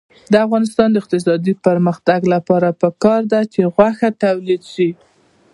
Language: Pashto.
د افغانستان د اقتصادي پرمختګ لپاره پکار ده چې غوښه تولید شي.